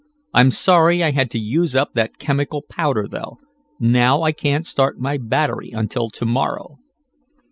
I'm sorry I had to use up that chemical powder, though. Now I can't start my battery until to morrow."